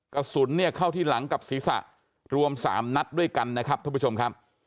กระสุนเนี่ยเข้าที่หลังกับศีรษะรวม๓นัดด้วยกันนะครับท่านผู้ชมครับ